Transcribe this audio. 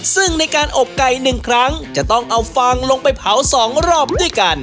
ซึ่งในการอบไก่๑ครั้งจะต้องเอาฟางลงไปเผา๒รอบด้วยกัน